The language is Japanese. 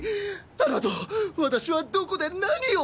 あの後私はどこで何を！？